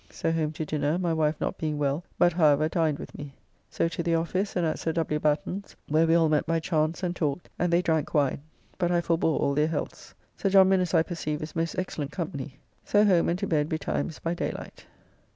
So home to dinner, my wife not being well, but however dined with me. So to the office, and at Sir W. Batten's, where we all met by chance and talked, and they drank wine; but I forebore all their healths. Sir John Minnes, I perceive, is most excellent company. So home and to bed betimes by daylight.